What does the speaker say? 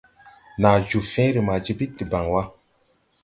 Nàa joo fẽẽre ma jibid debaŋ wà.